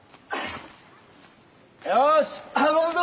よし運ぶぞ。